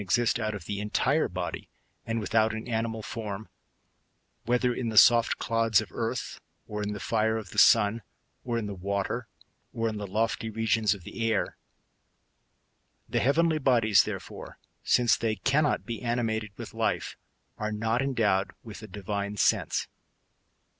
199 exist out of the entire body, and without an animal form, whether in the soft clods of earth, or in the fire of the sun, or in the water, or in the lofty regions of the air. The heaven' ly bodies, therefore, since they cannot be animated with life, are not endowed with a divine sense.